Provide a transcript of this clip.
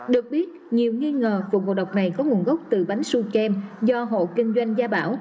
được biết nhiều nghi ngờ vụ ngộ độc này có nguồn gốc từ bánh su kem do hộ kinh doanh gia bảo